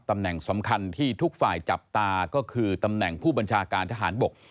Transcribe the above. ตำแหน่งสำคัญที่ทุกฝ่ายจับตาก็คือตำแหน่งผู้บัญชาการทหารบก